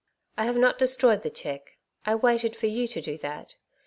I have not destroyed the cheque. I waited for you to do that.